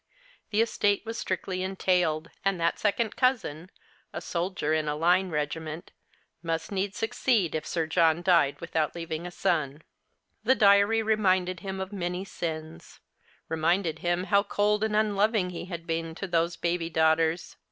The estate was strictly entailed, and that second cousin, a soldier in a line regiment, must needs succeed if Sir John died without leaving a son. The C^hristmas Hirelings. 39 The diary reminded hiin of many sins ; reminded liim how cohl and nnloving he had been to tliose l)aby daughters.